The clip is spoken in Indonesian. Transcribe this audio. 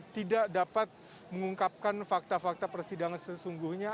tidak dapat mengungkapkan fakta fakta persidangan sesungguhnya